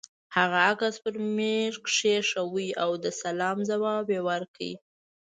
هغه عکس پر مېز کېښود او د سلام ځواب يې ورکړ.